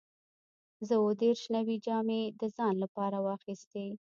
زه اووه دیرش نوې جامې د ځان لپاره واخیستې.